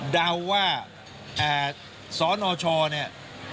เดาว่าสนชเนี่ย